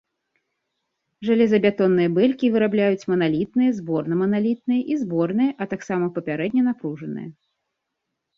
Жалезабетонныя бэлькі вырабляюць маналітныя, зборнаманалітныя і зборныя, а таксама папярэдне напружаныя.